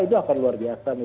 itu akan luar biasa